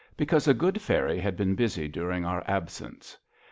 Because a good fairy had been busy during our absence.